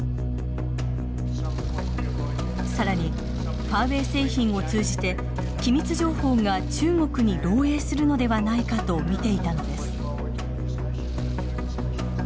更にファーウェイ製品を通じて機密情報が中国に漏えいするのではないかと見ていたのです。